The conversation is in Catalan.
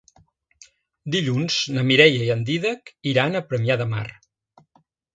Dilluns na Mireia i en Dídac iran a Premià de Mar.